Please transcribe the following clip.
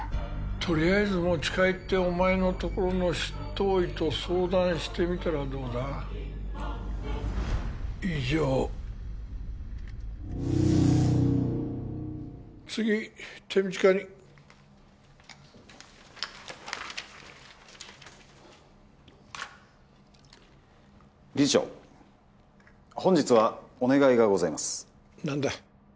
とりあえず持ち帰ってお前のところの執刀医と相談してみたらどうだ以上次手短に理事長本日はお願いがございます何だ？